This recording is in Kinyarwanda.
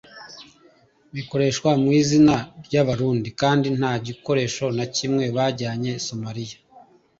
bikoreshwa mw’izina ry’Abarundi kandi nta gikoresho na kimwe bajyanye Somalia